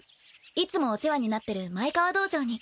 いつもお世話になってる前川道場に。